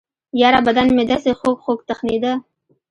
يره بدن مې دسې خوږخوږ تخنېده.